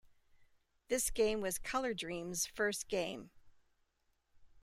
This game was Color Dreams' first game.